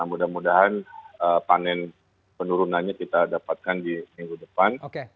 mudah mudahan panen penurunannya kita dapatkan di minggu depan